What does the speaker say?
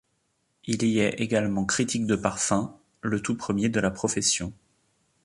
Il y est également critique de parfums - le tout premier de la profession.